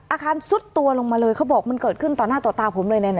ซุดตัวลงมาเลยเขาบอกมันเกิดขึ้นต่อหน้าต่อตาผมเลย